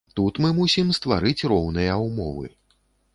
Тут мы мусім стварыць роўныя ўмовы.